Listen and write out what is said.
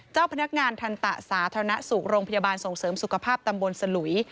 เจ้าพนักงานทันตะสาธารณสุขโรงพยาบาลส่งเสริมสุขภาพตำบลสลุย